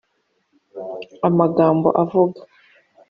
amagambo avuga